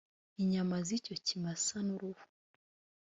inyama z icyo kimasa n uruhu